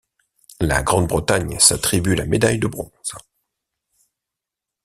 La Grande-Bretagne s'attribue la médaille de bronze.